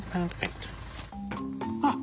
あっ！